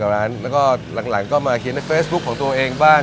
ร้านแล้วก็หลังก็มาเขียนในเฟซบุ๊คของตัวเองบ้าง